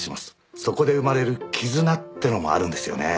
そこで生まれる絆ってのもあるんですよね